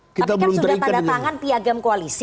tapi kan sudah tanda tangan piagam koalisi